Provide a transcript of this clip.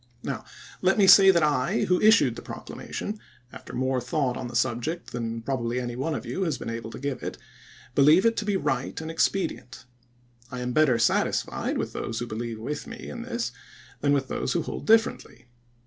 Now let me say that I, who issued the proclamation, after more thought on the subject than probably any one of you has been able to give it, believe it to be right and expedient. I am better satisfied with those who believe with me in this than with those who hold differently.